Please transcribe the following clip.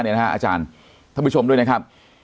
อาจารย์ท่านผู้ชมด้วยนะครับ